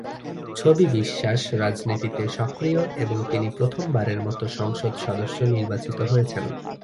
ছবি বিশ্বাস রাজনীতিতে সক্রিয় এবং তিনি প্রথম বারের মতো সংসদ সদস্য নির্বাচিত হয়েছেন।